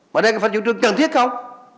và đây có phải là chủ trương cần thiết không